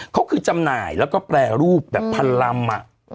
เขาคือจำหน่ายแล้วก็แปรรูปแบบพันลำ